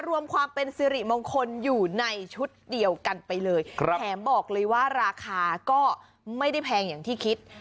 รวมความเป็นสิริมงคลอยู่ในชุดเดียวกันไปเลยแถมบอกเลยว่าราคาก็ไม่ได้แพงอย่างที่คิด